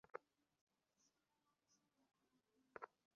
ব্যাপারটা কিন্তু খুব চিন্তার!